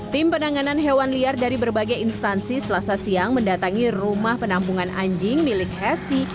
tim penanganan hewan liar dari berbagai instansi selasa siang mendatangi rumah penampungan anjing milik hesti